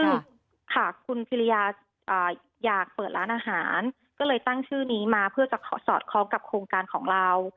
ซึ่งค่ะคุณพิริยาอยากเปิดร้านอาหารก็เลยตั้งชื่อนี้มาเพื่อจะสอดคล้องกับโครงการของเรา